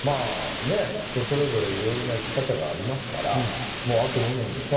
人それぞれいろいろな生き方がありますからあと２年でしょ。